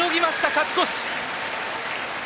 勝ち越し。